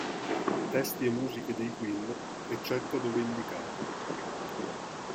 Testi e musiche dei Queen, eccetto dove indicato.